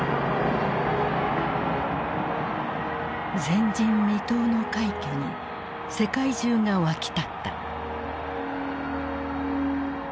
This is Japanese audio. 前人未到の快挙に世界中が沸き立った。